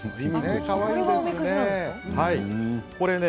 かわいいですね。